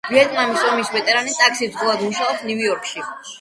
ვიეტნამის ომის ვეტერანი ტაქსის მძღოლად მუშაობს ნიუ-იორკში.